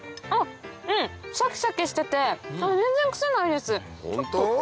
シャキシャキしてて全然癖ないです。